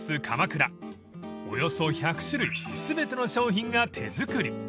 ［およそ１００種類全ての商品が手作り］